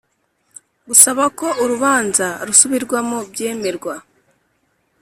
Gusaba ko urubanza rusubirwamo byemerwa